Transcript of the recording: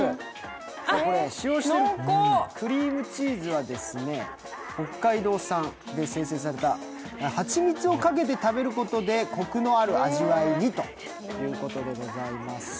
使用しているクリームチーズは北海道産で精製された蜂蜜をかけて食べることでこくのある味わいにということでございます。